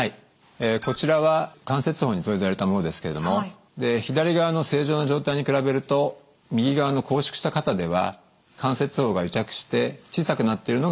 こちらは関節包に造影剤を入れたものですけれども左側の正常な状態に比べると右側の拘縮した肩では関節包が癒着して小さくなってるのが分かります。